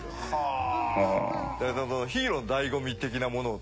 ヒーローの醍醐味的なものを。